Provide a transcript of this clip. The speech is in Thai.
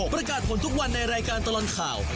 ประกาศผลทุกวันในรายการตลอดข่าว